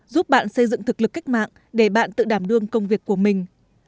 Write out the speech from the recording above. giúp bạn xây dựng thực lực cách mạng để bạn tự đảm đương công việc của mình